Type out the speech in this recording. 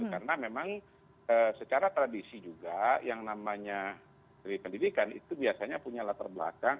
karena memang secara tradisi juga yang namanya menteri pendidikan itu biasanya punya latar belakang